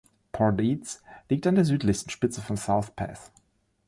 Port Eads liegt an der südlichsten Spitze von South Pass.